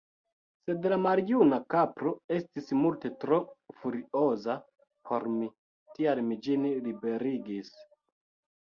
Sed la maljuna kapro estis multe tro furioza por mi, tial mi ĝin liberigis.